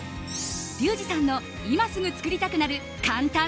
リュウジさんの今すぐ作りたくなる簡単！